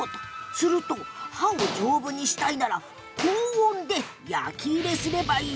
すると「刃を丈夫にしたいなら高温で焼き入れをすればいい」